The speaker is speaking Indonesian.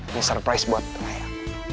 ini surprise buat kaya